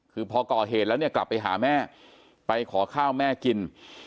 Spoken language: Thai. คือพอก่อเหตุแล้วเนี่ยกลับไปหาแม่ไปขอข้าวแม่กิน